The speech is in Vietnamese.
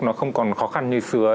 nó không còn khó khăn như xưa